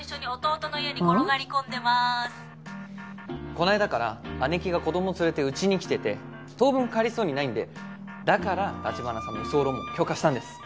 この間から姉貴が子供連れてうちに来てて当分帰りそうにないんでだから城華さんの居候も許可したんです。